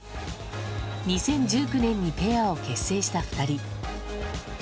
２０１９年にペアを結成した２人。